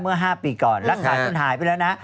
เมื่อห้าปีก่อนรักษาย้วนหายไปแล้วนะ